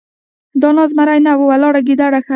ـ د ناست زمري نه ، ولاړ ګيدړ ښه دی.